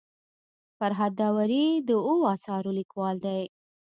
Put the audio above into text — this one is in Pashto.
فرهاد داوري د اوو اثارو لیکوال دی.